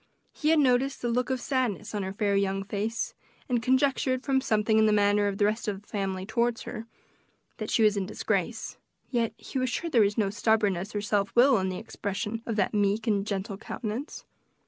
He had noticed the look of sadness on her fair young face, and conjectured, from something in the manner of the rest of the family toward her, that she was in disgrace; yet he was sure there was no stubbornness or self will in the expression of that meek and gentle countenance.